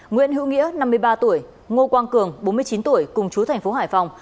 nguyễn hữu nghĩa năm mươi ba tuổi ngô quang cường bốn mươi chín tuổi cùng chú thành phố hải phòng